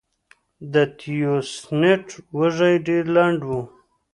د تیوسینټ وږی ډېر لنډ و